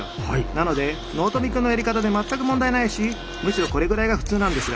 なので納富君のやり方で全く問題ないしむしろこれぐらいが普通なんですが。